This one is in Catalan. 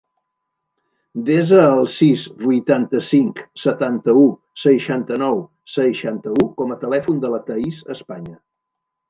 Desa el sis, vuitanta-cinc, setanta-u, seixanta-nou, seixanta-u com a telèfon de la Thaís España.